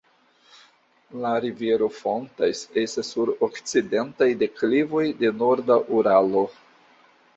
La rivero fontas estas sur okcidentaj deklivoj de Norda Uralo.